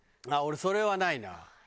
俺それはないな。